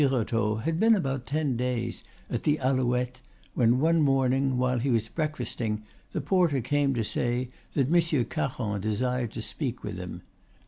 The Abbe Birotteau had been about ten days at the Alouette, when, one morning while he was breakfasting, the porter came to say that Monsieur Caron desired to speak with him.